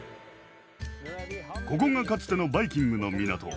ここがかつてのバイキングの港。